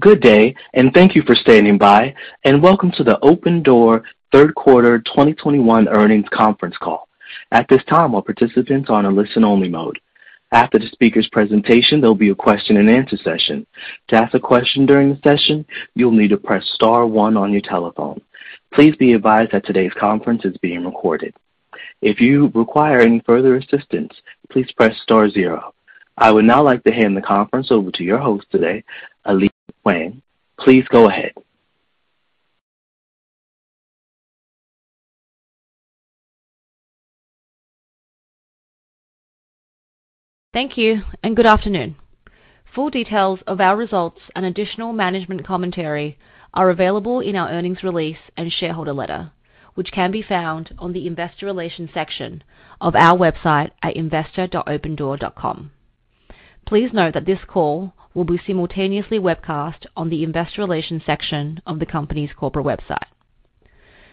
Good day, and thank you for standing by. Welcome to the Opendoor Third Quarter 2021 Earnings Conference Call. At this time, all participants are on a listen only mode. After the speaker's presentation, there'll be a question and answer session. To ask a question during the session, you'll need to press star one on your telephone. Please be advised that today's conference is being recorded. If you require any further assistance, please press star zero. I would now like to hand the conference over to your host today, Elise Wang. Please go ahead. Thank you and good afternoon. Full details of our results and additional management commentary are available in our earnings release and shareholder letter, which can be found on the investor relations section of our website at investor.opendoor.com. Please note that this call will be simultaneously webcast on the investor relations section of the company's corporate website.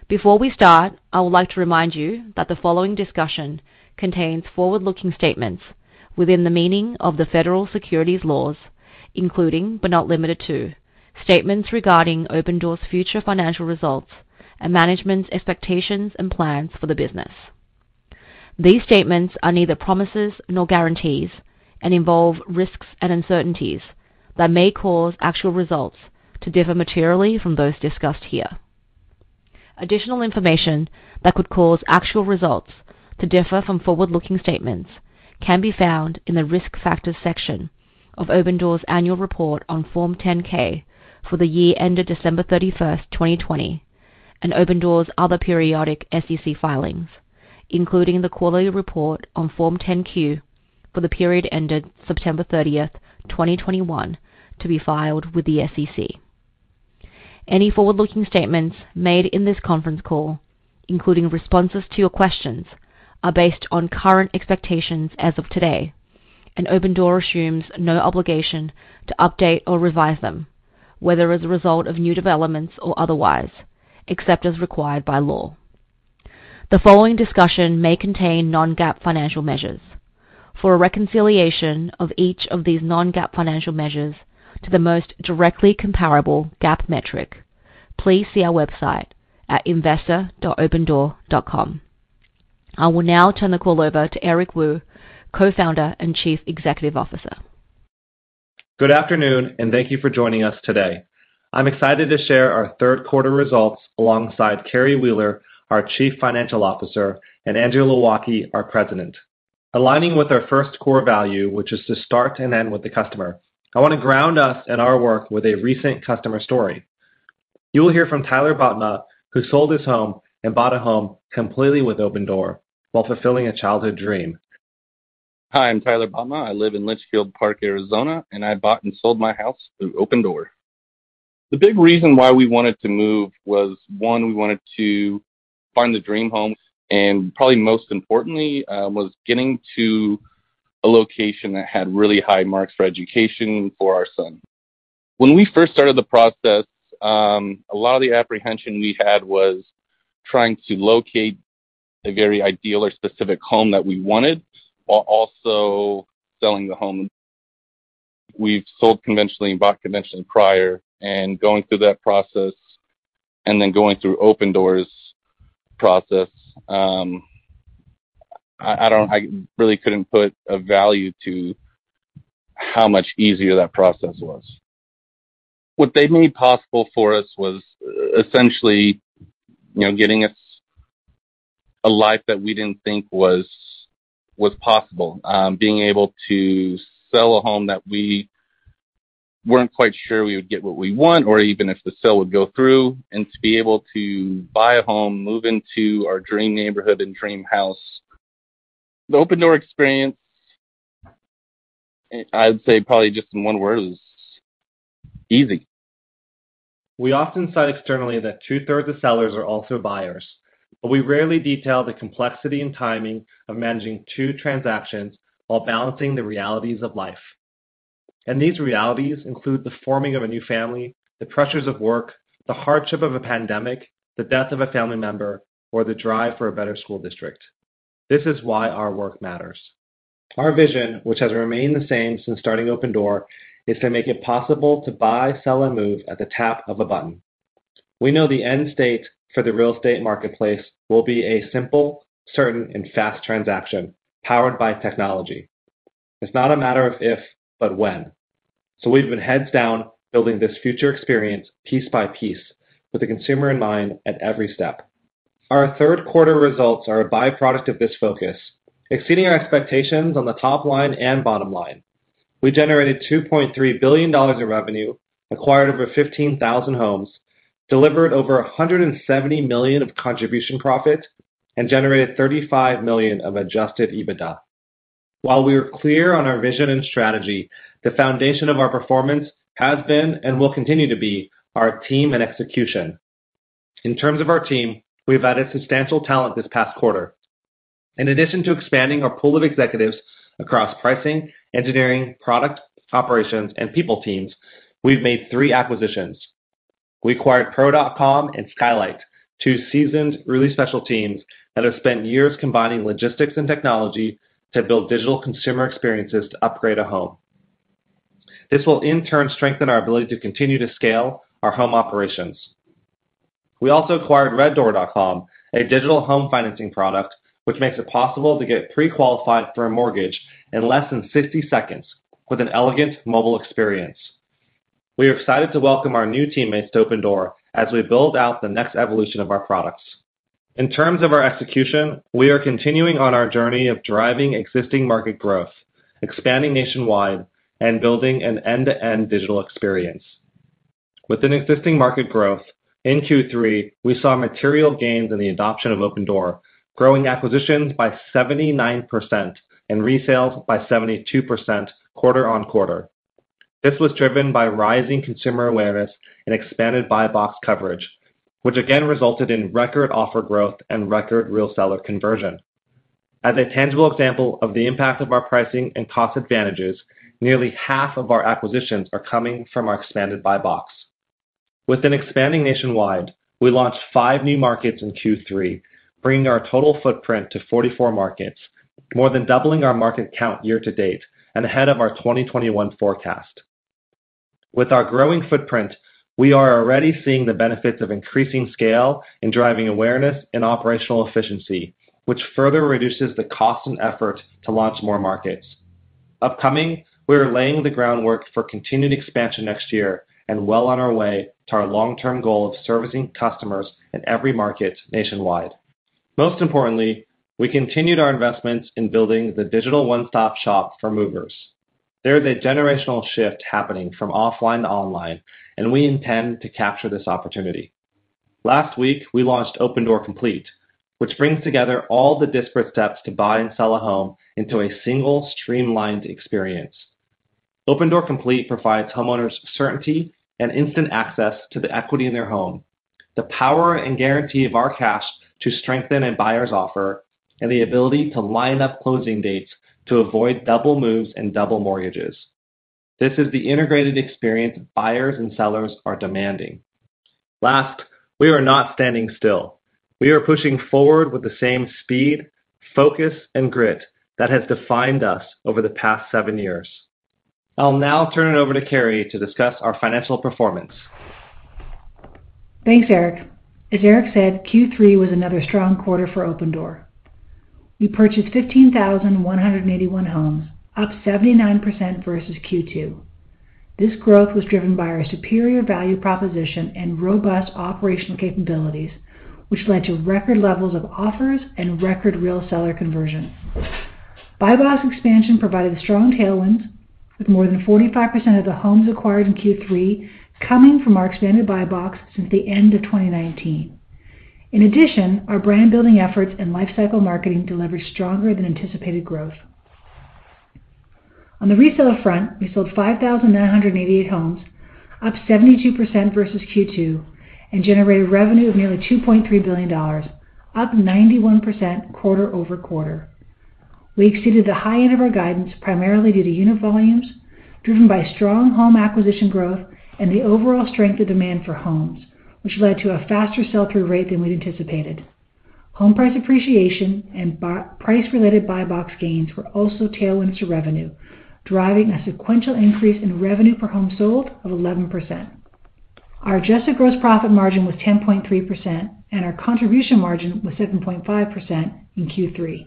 Before we start, I would like to remind you that the following discussion contains forward-looking statements within the meaning of the federal securities laws, including, but not limited to, statements regarding Opendoor's future financial results and management's expectations and plans for the business. These statements are neither promises nor guarantees and involve risks and uncertainties that may cause actual results to differ materially from those discussed here. Additional information that could cause actual results to differ from forward-looking statements can be found in the Risk Factors section of Opendoor's annual report on Form 10-K for the year ended December 31, 2020, and Opendoor's other periodic SEC filings, including the quarterly report on Form 10-Q for the period ended September 30th 2021, to be filed with the SEC. Any forward-looking statements made in this conference call, including responses to your questions, are based on current expectations as of today, and Opendoor assumes no obligation to update or revise them, whether as a result of new developments or otherwise, except as required by law. The following discussion may contain non-GAAP financial measures. For a reconciliation of each of these non-GAAP financial measures to the most directly comparable GAAP metric, please see our website at investor.opendoor.com. I will now turn the call over to Eric Wu, Co-founder and Chief Executive Officer. Good afternoon, and thank you for joining us today. I'm excited to share our third quarter results alongside Carrie Wheeler, our Chief Financial Officer, and Andrew Low Ah Kee, our President. Aligning with our first core value, which is to start and end with the customer, I want to ground us in our work with a recent customer story. You'll hear from Tyler Botma, who sold his home and bought a home completely with Opendoor while fulfilling a childhood dream. Hi, I'm Tyler Botma. I live in Litchfield Park, Arizona, and I bought and sold my house through Opendoor. The big reason why we wanted to move was one, we wanted to find a dream home, and probably most importantly, was getting to a location that had really high marks for education for our son. When we first started the process, a lot of the apprehension we had was trying to locate a very ideal or specific home that we wanted while also selling the home. We've sold conventionally and bought conventionally prior and going through that process and then going through Opendoor's process, I really couldn't put a value to how much easier that process was. What they made possible for us was essentially, you know, getting us a life that we didn't think was possible. Being able to sell a home that we weren't quite sure we would get what we want or even if the sale would go through, and to be able to buy a home, move into our dream neighborhood and dream house. The Opendoor experience, I would say probably just in one word, is easy. We often cite externally that two-thirds of sellers are also buyers, but we rarely detail the complexity and timing of managing two transactions while balancing the realities of life. These realities include the forming of a new family, the pressures of work, the hardship of a pandemic, the death of a family member, or the drive for a better school district. This is why our work matters. Our vision, which has remained the same since starting Opendoor, is to make it possible to buy, sell, and move at the tap of a button. We know the end state for the real estate marketplace will be a simple, certain, and fast transaction powered by technology. It's not a matter of if, but when. We've been heads down building this future experience piece by piece with the consumer in mind at every step. Our third quarter results are a byproduct of this focus, exceeding our expectations on the top line and bottom line. We generated $2.3 billion of revenue, acquired over 15,000 homes, delivered over $170 million of contribution profit, and generated $35 million of adjusted EBITDA. While we are clear on our vision and strategy, the foundation of our performance has been and will continue to be our team and execution. In terms of our team, we've added substantial talent this past quarter. In addition to expanding our pool of executives across pricing, engineering, product, operations, and people teams, we've made three acquisitions. We acquired Pro.com and Skylight, two seasoned, really special teams that have spent years combining logistics and technology to build digital consumer experiences to upgrade a home. This will in turn strengthen our ability to continue to scale our home operations. We also acquired RedDoor, a digital home financing product, which makes it possible to get pre-qualified for a mortgage in less than 60 seconds with an elegant mobile experience. We are excited to welcome our new teammates to Opendoor as we build out the next evolution of our products. In terms of our execution, we are continuing on our journey of driving existing market growth, expanding nationwide and building an end-to-end digital experience. With an existing market growth, in Q3 we saw material gains in the adoption of Opendoor, growing acquisitions by 79% and resales by 72% quarter-over-quarter. This was driven by rising consumer awareness and expanded buy box coverage, which again resulted in record offer growth and record real seller conversion. As a tangible example of the impact of our pricing and cost advantages, nearly half of our acquisitions are coming from our expanded buy box. Within expanding nationwide, we launched five new markets in Q3, bringing our total footprint to 44 markets, more than doubling our market count year to date and ahead of our 2021 forecast. With our growing footprint, we are already seeing the benefits of increasing scale in driving awareness and operational efficiency, which further reduces the cost and effort to launch more markets. Upcoming, we are laying the groundwork for continued expansion next year and well on our way to our long-term goal of servicing customers in every market nationwide. Most importantly, we continued our investments in building the digital one-stop shop for movers. There is a generational shift happening from offline to online, and we intend to capture this opportunity. Last week, we launched Opendoor Complete, which brings together all the disparate steps to buy and sell a home into a single streamlined experience. Opendoor Complete provides homeowners certainty and instant access to the equity in their home, the power and guarantee of our cash to strengthen a buyer's offer, and the ability to line up closing dates to avoid double moves and double mortgages. This is the integrated experience buyers and sellers are demanding. Last, we are not standing still. We are pushing forward with the same speed, focus, and grit that has defined us over the past seven years. I'll now turn it over to Carrie to discuss our financial performance. Thanks, Eric. As Eric said, Q3 was another strong quarter for Opendoor. We purchased 15,081 homes, up 79% versus Q2. This growth was driven by our superior value proposition and robust operational capabilities, which led to record levels of offers and record real seller conversion. Buy box expansion provided strong tailwinds with more than 45% of the homes acquired in Q3 coming from our expanded buy box since the end of 2019. In addition, our brand building efforts and lifecycle marketing delivered stronger than anticipated growth. On the resale front, we sold 5,988 homes, up 72% versus Q2, and generated revenue of nearly $2.3 billion, up 91% quarter over quarter. We exceeded the high end of our guidance primarily due to unit volumes driven by strong home acquisition growth and the overall strength of demand for homes, which led to a faster sell-through rate than we'd anticipated. Home price appreciation and price-related buy box gains were also tailwinds to revenue, driving a sequential increase in revenue per home sold of 11%. Our adjusted gross profit margin was 10.3% and our contribution margin was 7.5% in Q3.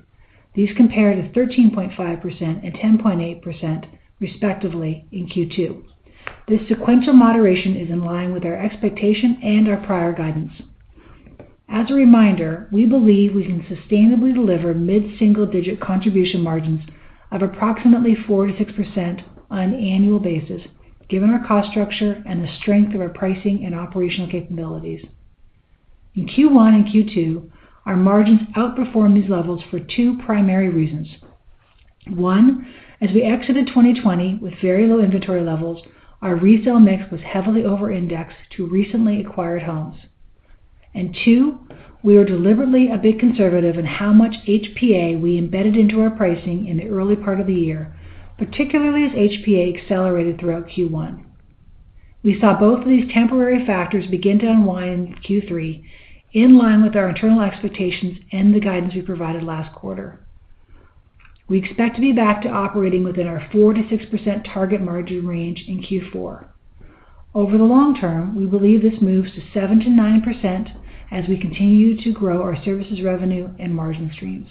These compare to 13.5% and 10.8% respectively in Q2. This sequential moderation is in line with our expectation and our prior guidance. As a reminder, we believe we can sustainably deliver mid-single digit contribution margins of approximately 4%-6% on an annual basis given our cost structure and the strength of our pricing and operational capabilities. In Q1 and Q2, our margins outperformed these levels for two primary reasons. One, as we exited 2020 with very low inventory levels, our resale mix was heavily over indexed to recently acquired homes. Two, we were deliberately a bit conservative in how much HPA we embedded into our pricing in the early part of the year, particularly as HPA accelerated throughout Q1. We saw both of these temporary factors begin to unwind in Q3 in line with our internal expectations and the guidance we provided last quarter. We expect to be back to operating within our 4%-6% target margin range in Q4. Over the long term, we believe this moves to 7%-9% as we continue to grow our services revenue and margin streams.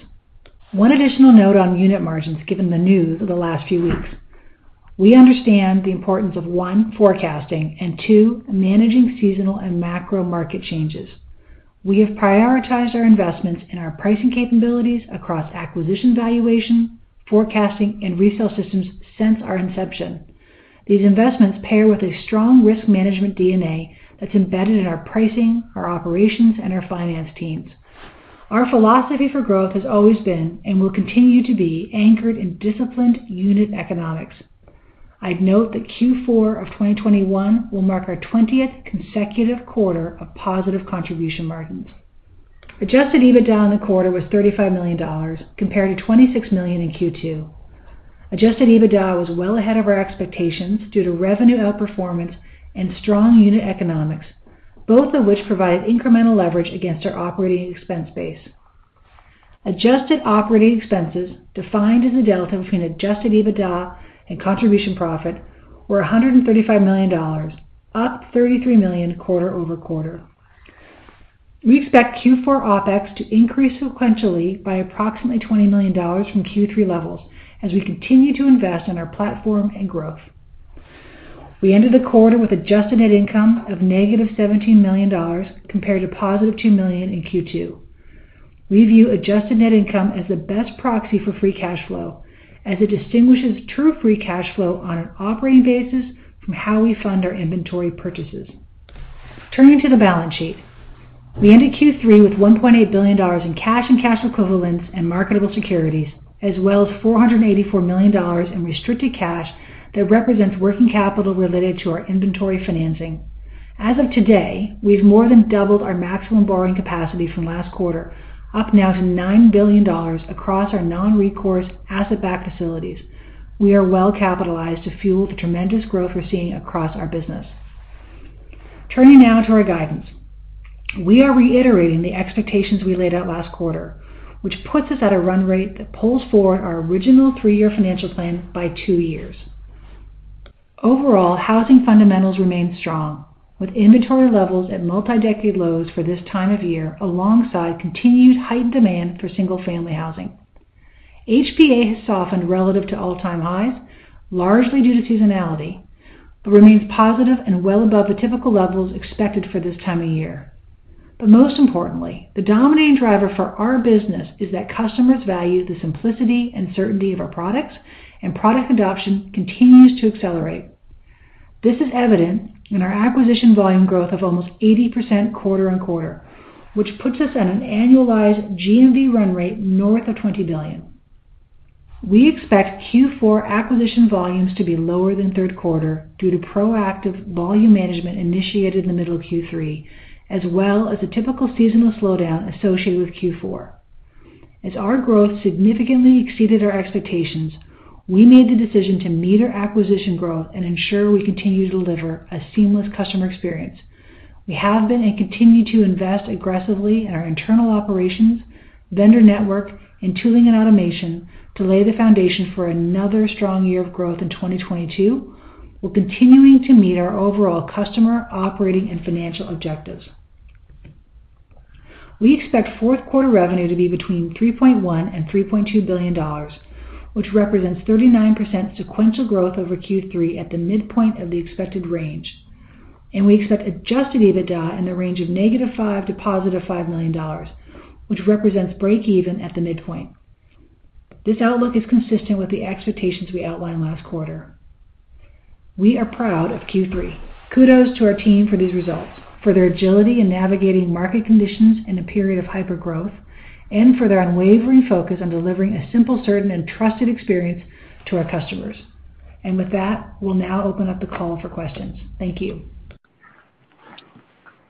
One additional note on unit margins given the news of the last few weeks. We understand the importance of, one, forecasting and, two, managing seasonal and macro market changes. We have prioritized our investments in our pricing capabilities across acquisition valuation, forecasting, and resale systems since our inception. These investments pair with a strong risk management DNA that's embedded in our pricing, our operations, and our finance teams. Our philosophy for growth has always been and will continue to be anchored in disciplined unit economics. I'd note that Q4 of 2021 will mark our 20th consecutive quarter of positive contribution margins. Adjusted EBITDA in the quarter was $35 million compared to $26 million in Q2. Adjusted EBITDA was well ahead of our expectations due to revenue outperformance and strong unit economics, both of which provided incremental leverage against our operating expense base. Adjusted operating expenses, defined as the delta between adjusted EBITDA and contribution profit, were $135 million, up $33 million quarter-over-quarter. We expect Q4 OpEx to increase sequentially by approximately $20 million from Q3 levels as we continue to invest in our platform and growth. We ended the quarter with adjusted net income of -$17 million compared to +$2 million in Q2. We view adjusted net income as the best proxy for free cash flow as it distinguishes true free cash flow on an operating basis from how we fund our inventory purchases. Turning to the balance sheet. We ended Q3 with $1.8 billion in cash and cash equivalents and marketable securities, as well as $484 million in restricted cash that represents working capital related to our inventory financing. As of today, we've more than doubled our maximum borrowing capacity from last quarter, up now to $9 billion across our non-recourse asset-backed facilities. We are well capitalized to fuel the tremendous growth we're seeing across our business. Turning now to our guidance. We are reiterating the expectations we laid out last quarter, which puts us at a run rate that pulls forward our original three-year financial plan by two years. Overall, housing fundamentals remain strong, with inventory levels at multi-decade lows for this time of year, alongside continued heightened demand for single-family housing. HPA has softened relative to all-time highs, largely due to seasonality, but remains positive and well above the typical levels expected for this time of year. Most importantly, the dominating driver for our business is that customers value the simplicity and certainty of our products, and product adoption continues to accelerate. This is evident in our acquisition volume growth of almost 80% quarter-over-quarter, which puts us at an annualized GMV run rate north of $20 billion. We expect Q4 acquisition volumes to be lower than third quarter due to proactive volume management initiated in the middle of Q3, as well as a typical seasonal slowdown associated with Q4. As our growth significantly exceeded our expectations, we made the decision to meter acquisition growth and ensure we continue to deliver a seamless customer experience. We have been and continue to invest aggressively in our internal operations, vendor network, and tooling and automation to lay the foundation for another strong year of growth in 2022, while continuing to meet our overall customer operating and financial objectives. We expect fourth quarter revenue to be between $3.1 billion and $3.2 billion, which represents 39% sequential growth over Q3 at the midpoint of the expected range. We expect adjusted EBITDA in the range of -$5 million to +$5 million, which represents breakeven at the midpoint. This outlook is consistent with the expectations we outlined last quarter. We are proud of Q3. Kudos to our team for these results, for their agility in navigating market conditions in a period of hypergrowth, and for their unwavering focus on delivering a simple, certain, and trusted experience to our customers. With that, we'll now open up the call for questions. Thank you.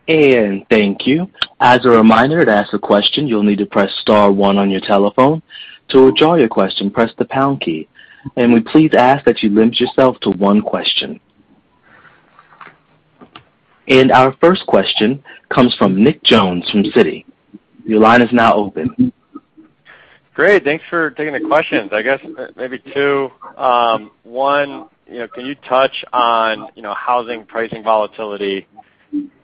Thank you. As a reminder, to ask a question, you'll need to press star one on your telephone. To withdraw your question, press the pound key. We please ask that you limit yourself to one question. Our first question comes from Nick Jones from Citi. Your line is now open. Great. Thanks for taking the questions. I guess maybe two. One, you know, can you touch on, you know, housing pricing volatility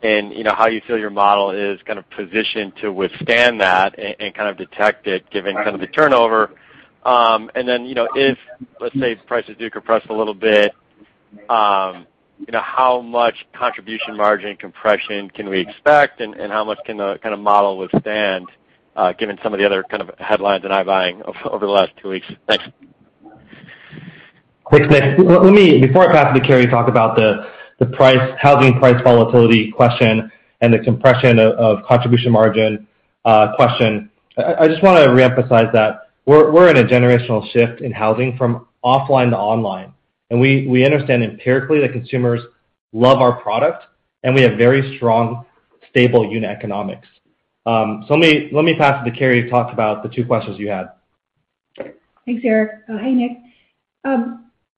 and, you know, how you feel your model is kind of positioned to withstand that and kind of detect it given kind of the turnover? You know, if let's say prices do compress a little bit, you know, how much contribution margin compression can we expect, and how much can the kind of model withstand, given some of the other kind of headlines in iBuying over the last two weeks? Thanks. Thanks, Nick. Let me, before I pass it to Carrie, talk about the pricing, housing price volatility question and the compression of contribution margin question. I just wanna reemphasize that we're in a generational shift in housing from offline to online, and we understand empirically that consumers love our product and we have very strong, stable unit economics. Let me pass it to Carrie to talk about the two questions you had. Thanks, Eric. Hey, Nick.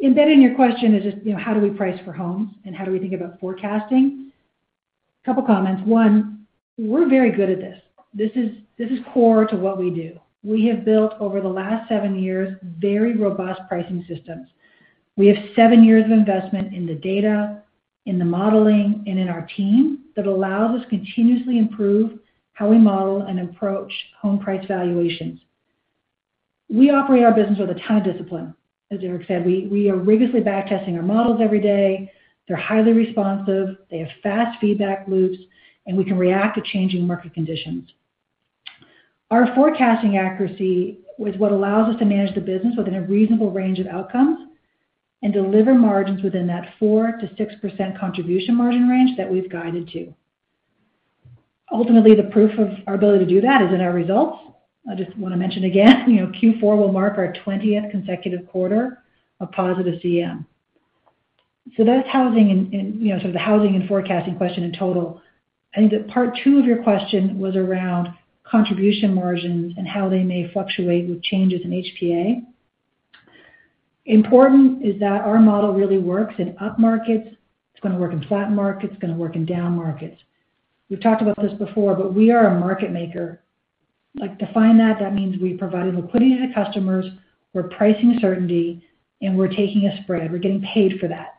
Embedded in your question is just, you know, how do we price for homes and how do we think about forecasting? Couple comments. One, we're very good at this. This is core to what we do. We have built, over the last seven years, very robust pricing systems. We have seven years of investment in the data, in the modeling, and in our team that allows us continuously improve how we model and approach home price valuations. We operate our business with a ton of discipline. As Eric said, we are rigorously back-testing our models every day. They're highly responsive, they have fast feedback loops, and we can react to changing market conditions. Our forecasting accuracy is what allows us to manage the business within a reasonable range of outcomes and deliver margins within that 4%-6% contribution margin range that we've guided to. Ultimately, the proof of our ability to do that is in our results. I just wanna mention again, you know, Q4 will mark our 20th consecutive quarter of positive CM. So that's housing and you know, sort of the housing and forecasting question in total. I think that part two of your question was around contribution margins and how they may fluctuate with changes in HPA. Important is that our model really works in up markets. It's gonna work in flat markets, it's gonna work in down markets. We've talked about this before, but we are a market maker. Like, define that. That means we provide liquidity to the customers. We're providing price certainty, and we're taking a spread. We're getting paid for that.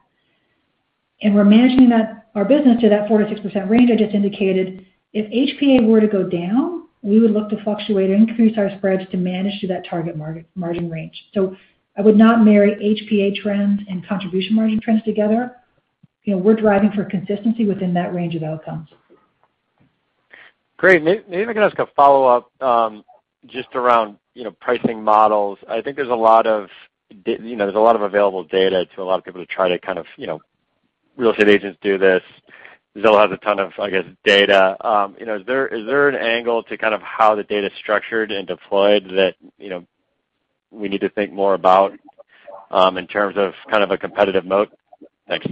We're managing that, our business to that 4%-6% range I just indicated. If HPA were to go down, we would look to fluctuate or increase our spreads to manage to that target margin range. I would not marry HPA trends and contribution margin trends together. You know, we're driving for consistency within that range of outcomes. Great. Maybe I can ask a follow-up just around, you know, pricing models. I think, you know, there's a lot of available data to a lot of people to try to kind of, you know, real estate agents do this. Zillow has a ton of, I guess, data. You know, is there an angle to kind of how the data's structured and deployed that, you know, we need to think more about in terms of kind of a competitive moat? Thanks.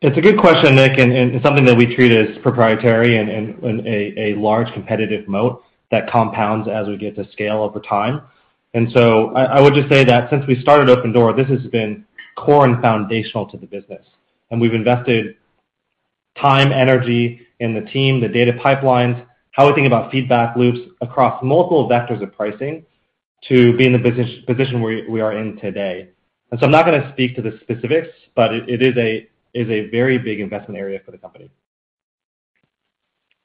It's a good question, Nick, and it's something that we treat as proprietary and a large competitive moat that compounds as we get to scale over time. So I would just say that since we started Opendoor, this has been core and foundational to the business. We've invested time, energy in the team, the data pipelines, how we think about feedback loops across multiple vectors of pricing to be in the business position we are in today. I'm not gonna speak to the specifics, but it is a very big investment area for the company.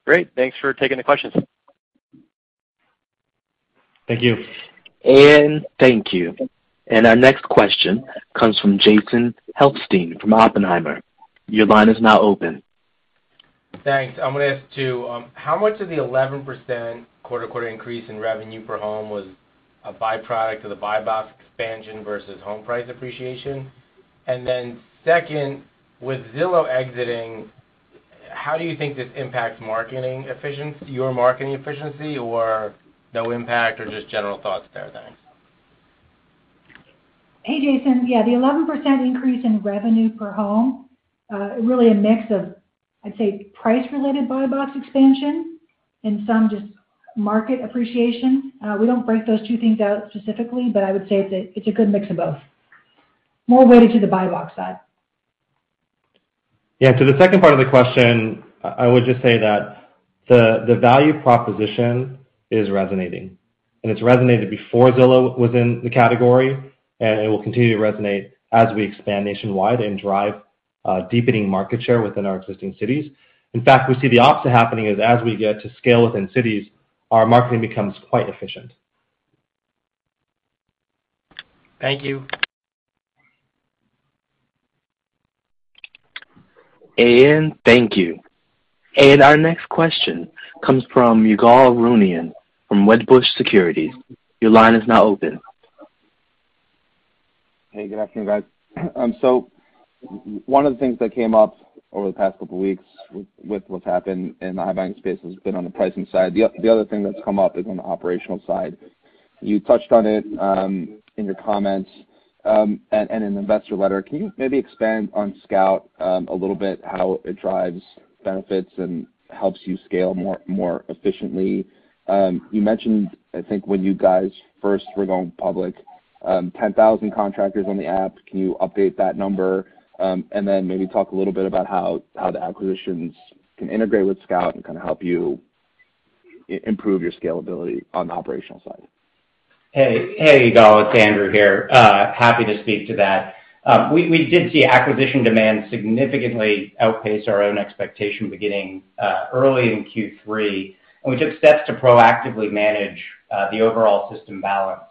Great. Thanks for taking the questions. Thank you. Thank you. Our next question comes from Jason Helfstein from Oppenheimer. Your line is now open. Thanks. I'm gonna ask two. How much of the 11% quarter-over-quarter increase in revenue per home was a byproduct of the buy box expansion versus home price appreciation? And then second, with Zillow exiting, how do you think this impacts marketing efficiency, your marketing efficiency, or no impact or just general thoughts there? Thanks. Hey, Jason. Yeah, the 11% increase in revenue per home, really a mix of, I'd say, price-related buy box expansion and some just market appreciation. We don't break those two things out specifically, but I would say it's a good mix of both. More weighted to the buy box side. Yeah. To the second part of the question, I would just say that the value proposition is resonating, and it's resonated before Zillow was in the category, and it will continue to resonate as we expand nationwide and drive deepening market share within our existing cities. In fact, we see the opposite happening as we get to scale within cities, our marketing becomes quite efficient. Thank you. Thank you. Our next question comes from Ygal Arounian from Wedbush Securities. Your line is now open. Hey, good afternoon, guys. One of the things that came up over the past couple weeks with what's happened in the iBuying space has been on the pricing side. The other thing that's come up is on the operational side. You touched on it in your comments and in investor letter. Can you maybe expand on Scout a little bit, how it drives benefits and helps you scale more efficiently? You mentioned, I think, when you guys first were going public, 10,000 contractors on the app. Can you update that number? And then maybe talk a little bit about how the acquisitions can integrate with Scout and kinda help you improve your scalability on the operational side. Hey, hey, Ygal. It's Andrew here. Happy to speak to that. We did see acquisition demand significantly outpace our own expectation beginning early in Q3, and we took steps to proactively manage the overall system balance.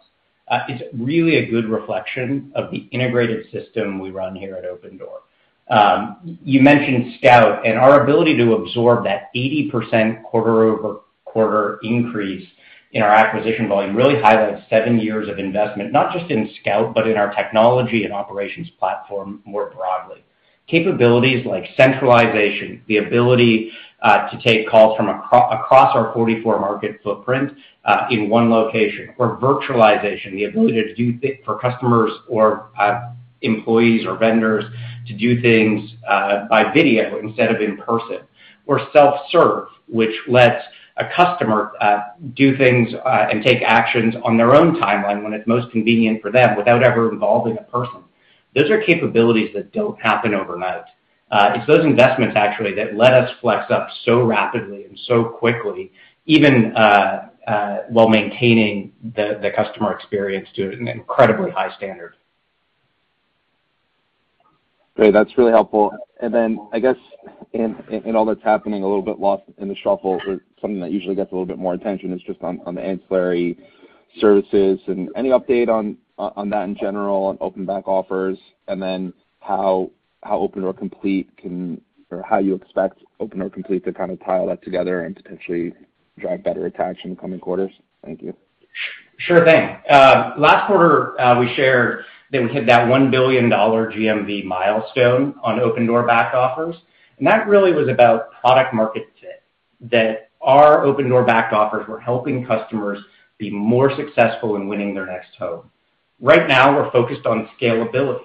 It's really a good reflection of the integrated system we run here at Opendoor. You mentioned Scout, and our ability to absorb that 80% quarter-over-quarter increase in our acquisition volume really highlights seven years of investment, not just in Scout, but in our technology and operations platform more broadly. Capabilities like centralization, the ability to take calls from across our 44 market footprint in one location or virtualization, the ability for customers or employees or vendors to do things by video instead of in person or self-serve, which lets a customer do things and take actions on their own timeline when it's most convenient for them without ever involving a person. Those are capabilities that don't happen overnight. It's those investments actually that let us flex up so rapidly and so quickly, even while maintaining the customer experience to an incredibly high standard. Great. That's really helpful. I guess in all that's happening, a little bit lost in the shuffle, but something that usually gets a little bit more attention is just on the ancillary services. Any update on that in general on Opendoor Backed Offers? How Opendoor Complete can or how you expect Opendoor Complete to kind of tie all that together and potentially drive better attach in the coming quarters? Thank you. Sure thing. Last quarter, we shared that we hit that $1 billion GMV milestone on Opendoor Backed Offers, and that really was about product market fit. That our Opendoor Backed Offers were helping customers be more successful in winning their next home. Right now, we're focused on scalability,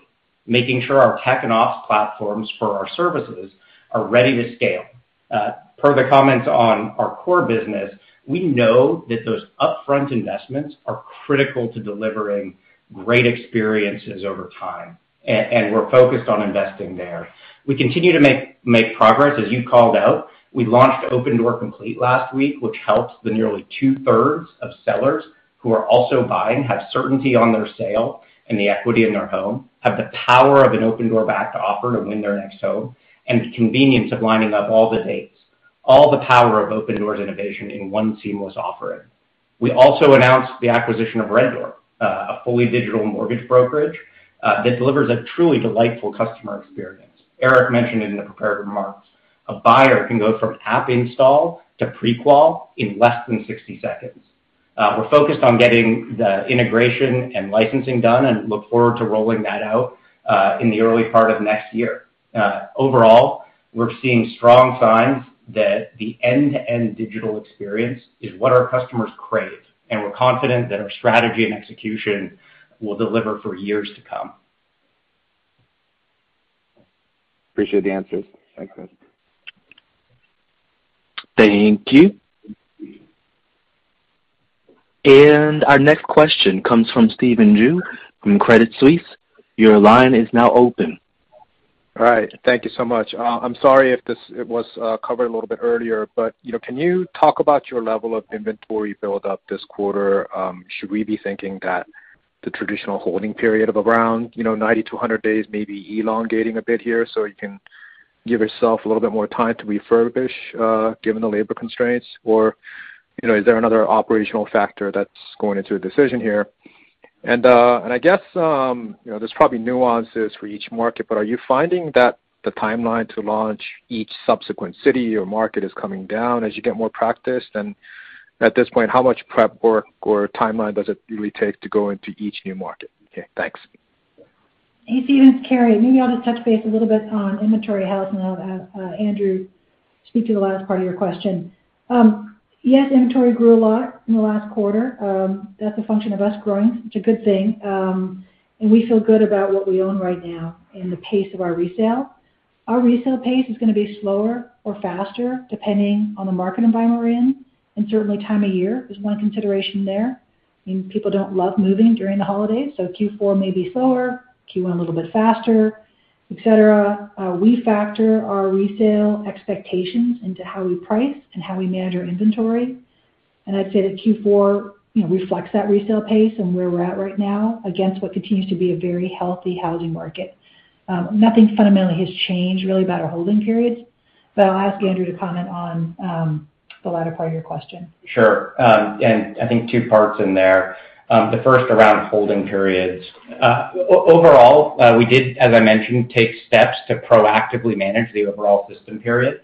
making sure our tech and ops platforms for our services are ready to scale. Per the comments on our core business, we know that those upfront investments are critical to delivering great experiences over time, and we're focused on investing there. We continue to make progress, as you called out. We launched Opendoor Complete last week, which helps the nearly two-thirds of sellers who are also buying, have certainty on their sale and the equity in their home, have the power of an Opendoor Backed Offer to win their next home, and the convenience of lining up all the dates, all the power of Opendoor's innovation in one seamless offering. We also announced the acquisition of RedDoor, a fully digital mortgage brokerage, that delivers a truly delightful customer experience. Eric mentioned in the prepared remarks, a buyer can go from app install to pre-qual in less than 60 seconds. We're focused on getting the integration and licensing done, and look forward to rolling that out, in the early part of next year. Overall, we're seeing strong signs that the end-to-end digital experience is what our customers crave, and we're confident that our strategy and execution will deliver for years to come. Appreciate the answers. Thanks, guys. Thank you. Our next question comes from Stephen Ju from Credit Suisse. Your line is now open. All right. Thank you so much. I'm sorry if it was covered a little bit earlier, but, you know, can you talk about your level of inventory build up this quarter? Should we be thinking that the traditional holding period of around, you know, 90 to 100 days may be elongating a bit here, so you can give yourself a little bit more time to refurbish, given the labor constraints? Or, you know, is there another operational factor that's going into a decision here? I guess, you know, there's probably nuances for each market, but are you finding that the timeline to launch each subsequent city or market is coming down as you get more practice? At this point, how much prep work or timeline does it really take to go into each new market? Okay. Thanks. Hey, Stephen, it's Carrie. Maybe I'll just touch base a little bit on inventory health, and I'll have Andrew speak to the last part of your question. Yes, inventory grew a lot in the last quarter. That's a function of us growing. It's a good thing. We feel good about what we own right now and the pace of our resale. Our resale pace is gonna be slower or faster depending on the market environment we're in, and certainly time of year is one consideration there. I mean, people don't love moving during the holidays, so Q4 may be slower, Q1 a little bit faster, et cetera. We factor our resale expectations into how we price and how we manage our inventory. I'd say that Q4, you know, reflects that resale pace and where we're at right now against what continues to be a very healthy housing market. Nothing fundamentally has changed really about our holding periods, but I'll ask Andrew to comment on the latter part of your question. Sure. I think two parts in there. The first around holding periods. Overall, we did, as I mentioned, take steps to proactively manage the overall system period,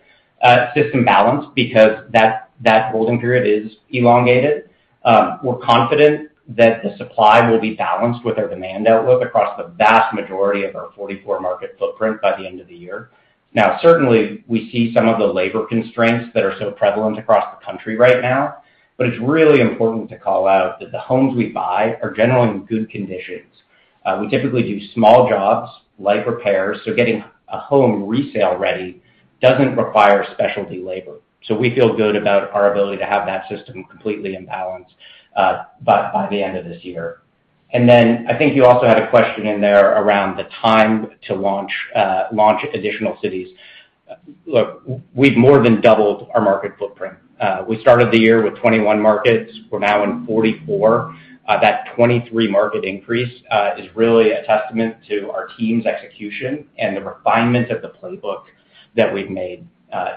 system balance because that holding period is elongated. We're confident that the supply will be balanced with our demand outlook across the vast majority of our 44 market footprint by the end of the year. Now, certainly, we see some of the labor constraints that are so prevalent across the country right now, but it's really important to call out that the homes we buy are generally in good conditions. We typically do small jobs like repairs, so getting a home resale ready doesn't require specialty labor. We feel good about our ability to have that system completely in balance, by the end of this year. I think you also had a question in there around the time to launch additional cities. Look, we've more than doubled our market footprint. We started the year with 21 markets. We're now in 44. That 23 market increase is really a testament to our team's execution and the refinement of the playbook that we've made.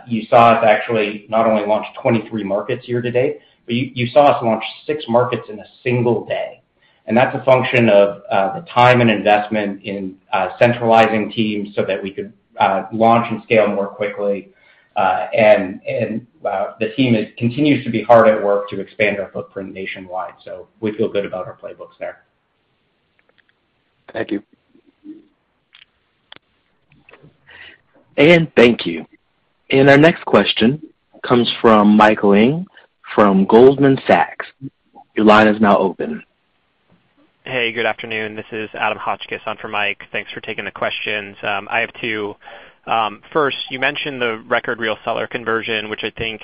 You saw us actually not only launch 23 markets year to date, but you saw us launch six markets in a single day. That's a function of the time and investment in centralizing teams so that we could launch and scale more quickly. The team continues to be hard at work to expand our footprint nationwide. We feel good about our playbooks there. Thank you. Thank you. Our next question comes from Michael Ng from Goldman Sachs. Your line is now open. Hey, good afternoon. This is Adam Hotchkiss on for Mike. Thanks for taking the questions. I have two. First, you mentioned the record real seller conversion, which I think,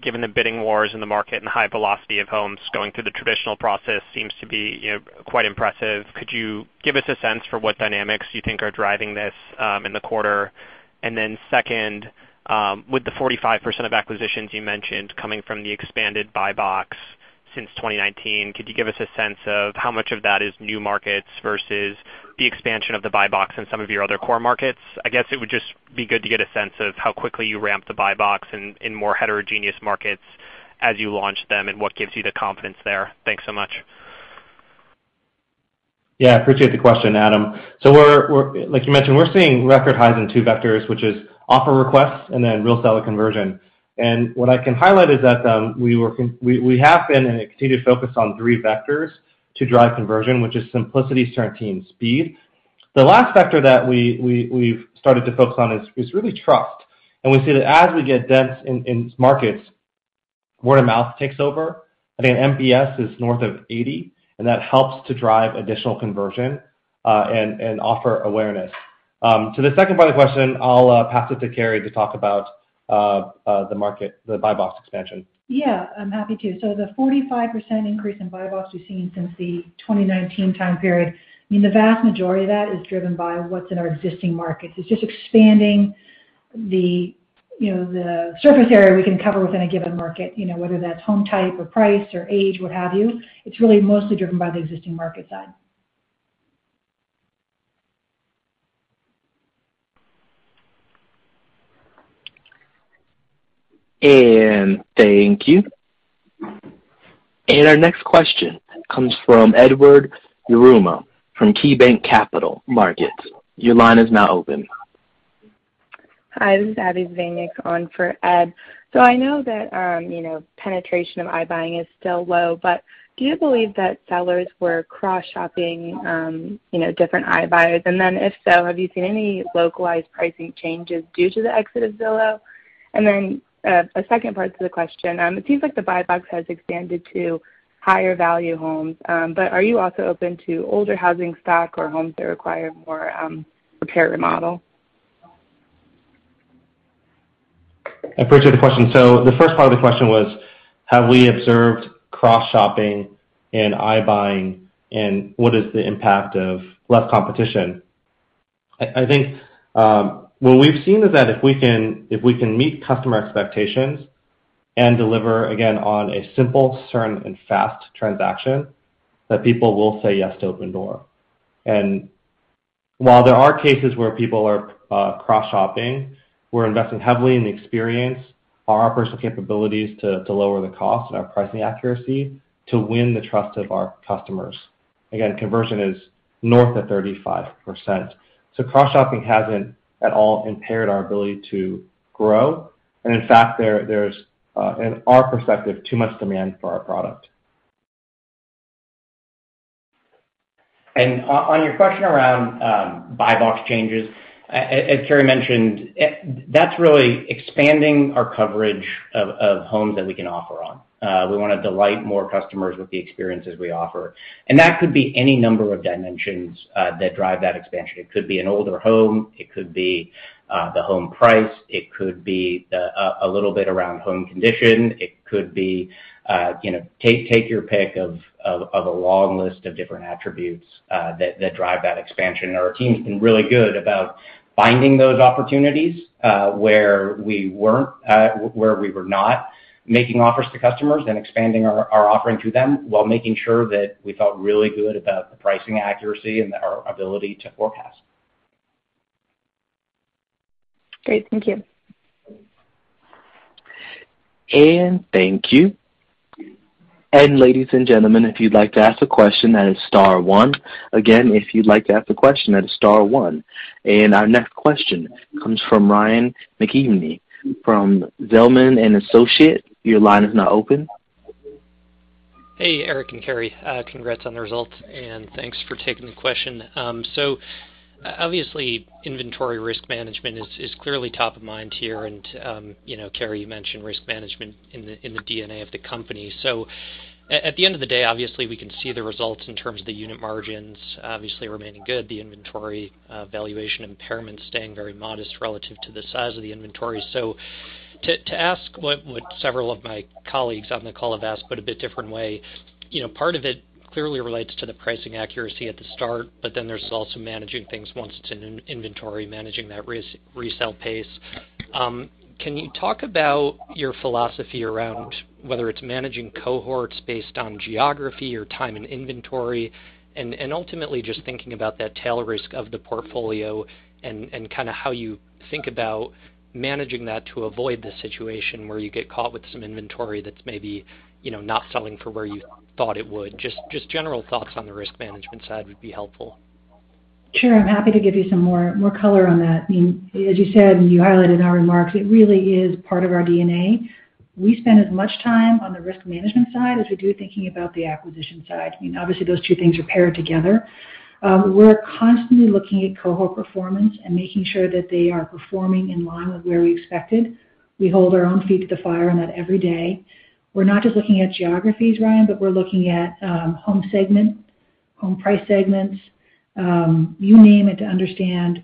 given the bidding wars in the market and high velocity of homes going through the traditional process seems to be, you know, quite impressive. Could you give us a sense for what dynamics you think are driving this, in the quarter? And then second, with the 45% of acquisitions you mentioned coming from the expanded buy box since 2019, could you give us a sense of how much of that is new markets versus the expansion of the buy box in some of your other core markets? I guess it would just be good to get a sense of how quickly you ramp the buy box in more heterogeneous markets as you launch them and what gives you the confidence there. Thanks so much. Yeah, appreciate the question, Adam. Like you mentioned, we're seeing record highs in two vectors, which is offer requests and then real seller conversion. What I can highlight is that we have been and continue to focus on three vectors to drive conversion, which is simplicity, certainty, and speed. The last factor that we’ve started to focus on is really trust. We see that as we get dense in markets, word of mouth takes over. I think NPS is north of 80, and that helps to drive additional conversion and offer awareness. The second part of the question, I’ll pass it to Carrie to talk about the market buy box expansion. Yeah, I'm happy to. The 45% increase in buy box we've seen since the 2019 time period, I mean, the vast majority of that is driven by what's in our existing markets. It's just expanding the, you know, the surface area we can cover within a given market, you know, whether that's home type or price or age, what have you. It's really mostly driven by the existing market side. Thank you. Our next question comes from Edward Yruma from KeyBanc Capital Markets. Your line is now open. Hi, this is Abbie Zvejnieks on for Ed. I know that, you know, penetration of iBuying is still low, but do you believe that sellers were cross-shopping, you know, different iBuyers? If so, have you seen any localized pricing changes due to the exit of Zillow? A second part to the question. It seems like the buy box has expanded to higher value homes, but are you also open to older housing stock or homes that require more, repair or remodel? I appreciate the question. The first part of the question was, have we observed cross-shopping and iBuying and what is the impact of less competition? I think what we've seen is that if we can meet customer expectations and deliver again on a simple, certain and fast transaction, that people will say yes to Opendoor. While there are cases where people are cross-shopping, we're investing heavily in the experience, our operational capabilities to lower the cost and our pricing accuracy to win the trust of our customers. Conversion is north of 35%. Cross-shopping hasn't at all impaired our ability to grow. In fact, there's in our perspective, too much demand for our product. On your question around buy box changes, as Carrie mentioned, that's really expanding our coverage of homes that we can offer on. We wanna delight more customers with the experiences we offer. That could be any number of dimensions that drive that expansion. It could be an older home, it could be the home price, it could be a little bit around home condition. It could be, you know, take your pick of a long list of different attributes that drive that expansion. Our team's been really good about finding those opportunities where we were not making offers to customers, then expanding our offering to them while making sure that we felt really good about the pricing accuracy and our ability to forecast. Great. Thank you. Thank you. Ladies and gentlemen, if you'd like to ask a question, that is star one. Again, if you'd like to ask a question, that is star one. Our next question comes from Ryan McKeveny from Zelman & Associates. Your line is now open. Hey, Eric and Carrie. Congrats on the results, and thanks for taking the question. Obviously, inventory risk management is clearly top of mind here. You know, Carrie, you mentioned risk management in the DNA of the company. At the end of the day, obviously, we can see the results in terms of the unit margins obviously remaining good, the inventory valuation impairment staying very modest relative to the size of the inventory. To ask what several of my colleagues on the call have asked, but a bit different way. You know, part of it clearly relates to the pricing accuracy at the start, but then there's also managing things once it's in inventory, managing that resell pace. Can you talk about your philosophy around whether it's managing cohorts based on geography or time and inventory, and ultimately just thinking about that tail risk of the portfolio and kinda how you think about managing that to avoid the situation where you get caught with some inventory that's maybe, you know, not selling for where you thought it would. Just general thoughts on the risk management side would be helpful. Sure. I'm happy to give you some more color on that. I mean, as you said, you highlighted in our remarks, it really is part of our DNA. We spend as much time on the risk management side as we do thinking about the acquisition side. I mean, obviously, those two things are paired together. We're constantly looking at cohort performance and making sure that they are performing in line with where we expected. We hold our own feet to the fire on that every day. We're not just looking at geographies, Ryan, but we're looking at home segment, home price segments, you name it, to understand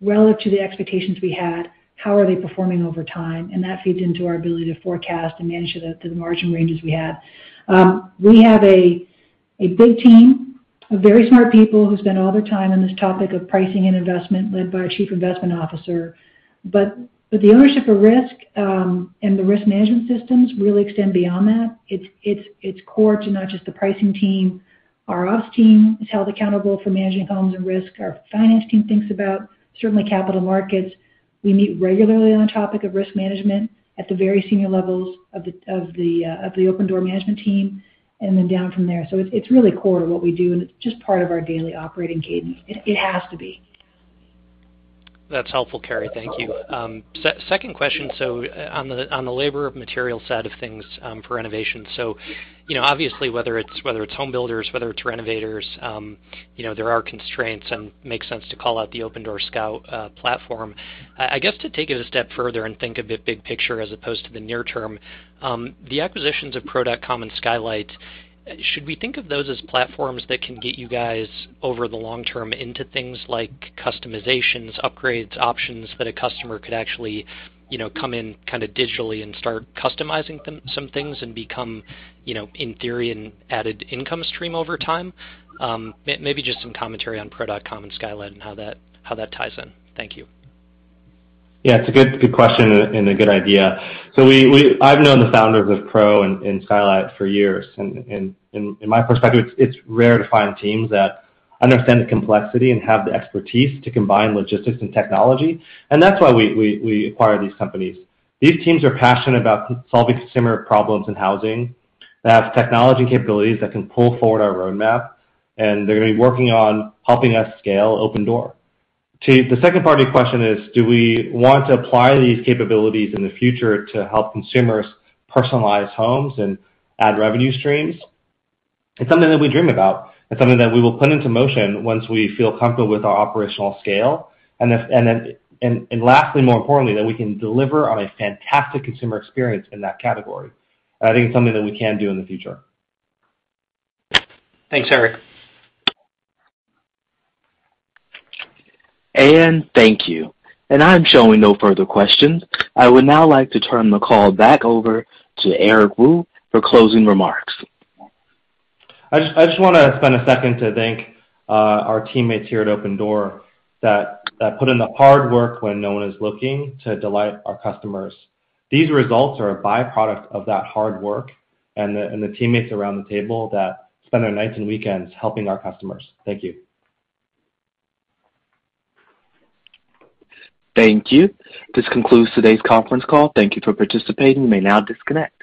relative to the expectations we had, how are they performing over time, and that feeds into our ability to forecast and manage it at the margin ranges we had. We have a big team of very smart people who spend all their time on this topic of pricing and investment, led by our chief investment officer. The ownership of risk and the risk management systems really extend beyond that. It's core to not just the pricing team. Our ops team is held accountable for managing homes and risk. Our finance team thinks about certainly capital markets. We meet regularly on the topic of risk management at the very senior levels of the Opendoor management team and then down from there. It's really core to what we do, and it's just part of our daily operating cadence. It has to be. That's helpful, Carrie. Thank you. Second question. So on the labor and material side of things, for renovation. You know, obviously, whether it's home builders, whether it's renovators, you know, there are constraints and makes sense to call out the Opendoor Scout platform. I guess to take it a step further and think of it big picture as opposed to the near term, the acquisitions of Pro.com and Skylight, should we think of those as platforms that can get you guys over the long term into things like customizations, upgrades, options that a customer could actually, you know, come in kinda digitally and start customizing them some things and become, you know, in theory, an added income stream over time? Maybe just some commentary on Pro.com and Skylight and how that ties in. Thank you. Yeah. It's a good question and a good idea. I've known the founders of Pro.com And Skylight for years. In my perspective, it's rare to find teams that understand the complexity and have the expertise to combine logistics and technology. That's why we acquire these companies. These teams are passionate about solving consumer problems in housing. They have technology capabilities that can pull forward our roadmap, and they're gonna be working on helping us scale Opendoor. To the second part of your question is, do we want to apply these capabilities in the future to help consumers personalize homes and add revenue streams? It's something that we dream about. It's something that we will put into motion once we feel comfortable with our operational scale. Lastly, more importantly, that we can deliver on a fantastic consumer experience in that category. I think it's something that we can do in the future. Thanks, Eric. Thank you. I'm showing no further questions. I would now like to turn the call back over to Eric Wu for closing remarks. I just wanna spend a second to thank our teammates here at Opendoor that put in the hard work when no one is looking to delight our customers. These results are a byproduct of that hard work and the teammates around the table that spend their nights and weekends helping our customers. Thank you. Thank you. This concludes today's conference call. Thank you for participating. You may now disconnect.